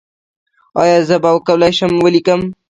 ایا زه به وکولی شم ولیکم؟